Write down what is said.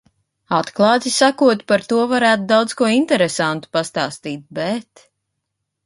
Atklāti sakot, par to varētu daudz ko interesantu pastāstīt, bet...